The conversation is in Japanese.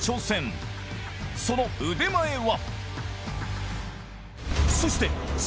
その腕前は？